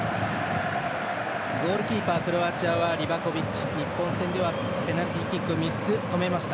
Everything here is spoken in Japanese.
ゴールキーパークロアチアはリバコビッチ日本戦ではペナルティーキックを３つ止めました。